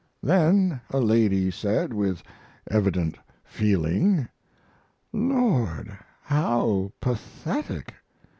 Then a lady said, with evident feeling, 'Lord, how pathetic!'